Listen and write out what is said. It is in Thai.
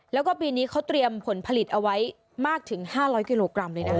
แล้วก็ปีนี้เขาเตรียมผลผลิตเอาไว้มากถึง๕๐๐กิโลกรัมเลยนะ